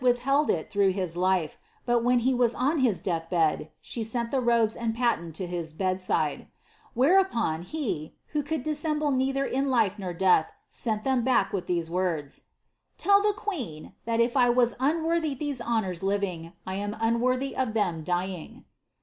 ithheld it through his life, but when he waa on his death t the robes and patent to his bed side. Whereupon he, who able neither in life nor death, sent them back with theae II the queen, that if I was unworthy theae hononra living, thy of them dying.''